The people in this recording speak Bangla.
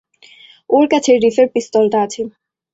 ওর কাছে রিফের পিস্তলটা আছে।